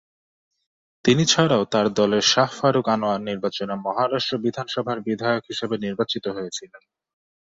তিনি ছাড়াও তার দলের শাহ ফারুক আনোয়ার নির্বাচনে মহারাষ্ট্র বিধানসভার বিধায়ক হিসেবে নির্বাচিত হয়েছিলেন।